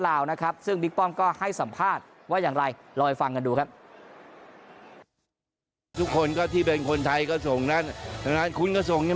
ลาวนะครับซึ่งบิ๊กป้อมก็ให้สัมภาษณ์ว่าอย่างไรรอให้